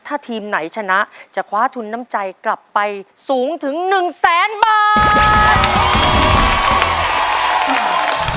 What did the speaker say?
ถ้าทีมไหนชนะจะคว้าทุนน้ำใจกลับไปสูงถึง๑แสนบาท